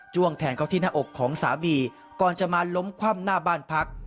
แทงเข้าที่หน้าอกของสามีก่อนจะมาล้มคว่ำหน้าบ้านพัก